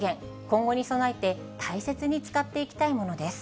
今後に備えて、大切に使っていきたいものです。